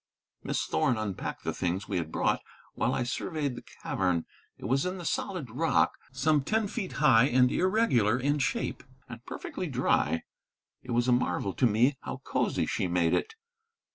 Miss Thorn unpacked the things we had brought, while I surveyed the cavern. It was in the solid rock, some ten feet high and irregular in shape, and perfectly dry. It was a marvel to me how cosy she made it.